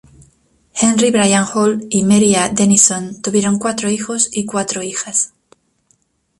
Henry Bryan Hall y Mary A. Denison tuvieron cuatro hijos y cuatro hijas.